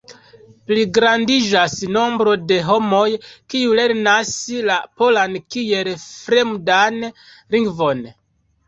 Pligrandiĝas nombro de homoj, kiuj lernas la polan kiel fremdan lingvon.